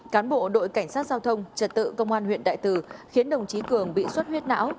cán bộ đội cảnh sát giao thông trật tự công an huyện đại từ khiến đồng chí cường bị suất huyết não